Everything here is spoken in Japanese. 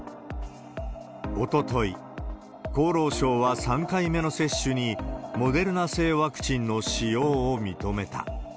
おととい、厚労省は３回目の接種にモデルナ製ワクチンの使用を認めた。